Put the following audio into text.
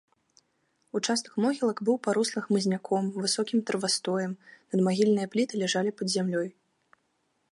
Участак могілак быў парослы хмызняком, высокім травастоем, надмагільныя пліты ляжалі пад зямлёй.